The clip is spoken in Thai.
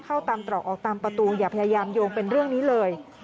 เข้าตามตรอกออกตามประตูอย่าพยายามโยงเป็นเรื่องนี้เลย